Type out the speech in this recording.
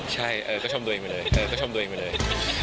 ใช่เออก็ชอบดรือเองไปเลย